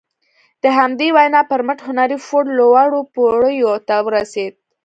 د همدې وينا پر مټ هنري فورډ لوړو پوړيو ته ورسېد.